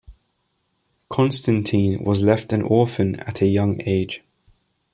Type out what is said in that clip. Constantine was left an orphan at a young age.